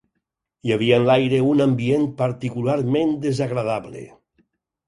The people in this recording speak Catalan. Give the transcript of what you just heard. Hi havia en l'aire un ambient particularment desagradable